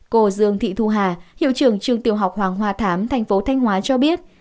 cô dương thị thu hà hiệu trưởng trường tiểu học hoàng hoa thám thành phố thanh hóa cho biết